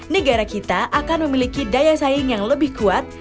negara kita akan memiliki daya saing yang lebih kuat